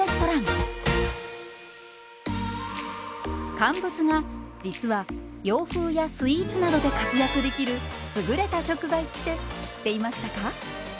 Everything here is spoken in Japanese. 乾物が実は洋風やスイーツなどで活躍できる優れた食材って知っていましたか？